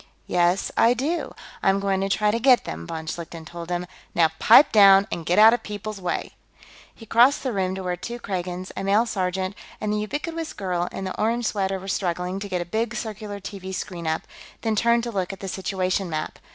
"Yes, I do. I'm going to try to get them," von Schlichten told him. "Now pipe down and get out of people's way." He crossed the room, to where two Kragans, a male sergeant, and the ubiquitous girl in the orange sweater were struggling to get a big circular TV screen up, then turned to look at the situation map.